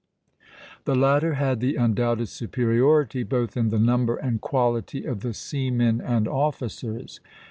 The latter had the undoubted superiority both in the number and quality of the seamen and officers.